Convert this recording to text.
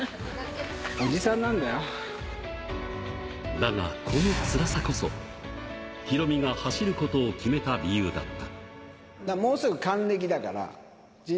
だが、このつらさこそ、ヒロミが走ることを決めた理由だった。